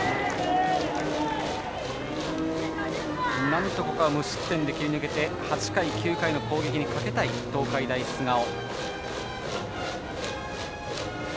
なんとか無失点で切り抜けて８回、９回の攻撃にかけたい東海大菅生。